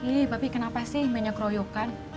ih pak pi kenapa sih banyak royokan